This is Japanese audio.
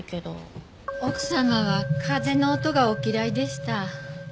奥様は風の音がお嫌いでした。